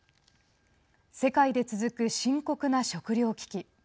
世界で続く深刻な食料危機。